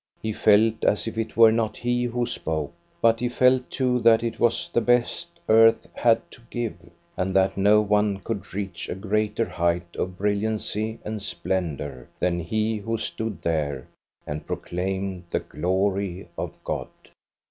He felt, as if it were not he who spoke, but he felt too that it was the best earth had to give, and that no one could reach a greater height of brilliancy and splendor than he who stood there and proclaimed the glory of God.